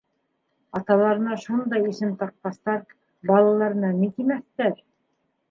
Аталарына шундай исем таҡҡастар, балаларына ни тимәҫтәр?